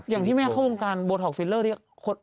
อย่างที่แม่เข้าวงการโบท็อกฟิลเลอร์ที่